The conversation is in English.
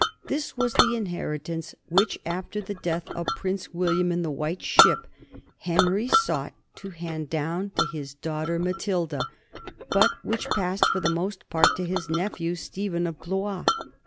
This was the inheritance which, after the death of Prince William in the White Ship, Henry sought to hand down to his daughter Matilda, but which passed for the most part to his nephew Stephen of Blois.